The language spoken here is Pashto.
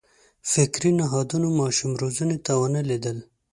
فکري نهادونو ماشوم روزنې ته ونه لېدل.